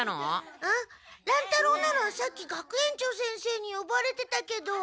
乱太郎ならさっき学園長先生によばれてたけど。